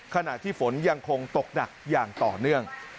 ขณะที่ฝนยังคงตกหนักอย่างต่อเนื่อง